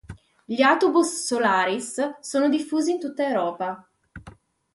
Gli autobus Solaris sono diffusi in tutta Europa.